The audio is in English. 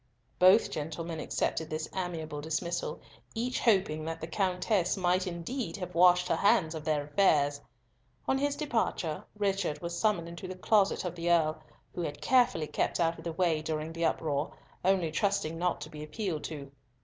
Both gentlemen accepted this amiable dismissal, each hoping that the Countess might indeed have washed her hands of their affairs. On his departure Richard was summoned into the closet of the Earl, who had carefully kept out of the way during the uproar, only trusting not to be appealed to.